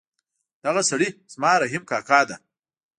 دغه سړی زما رحیم کاکا ده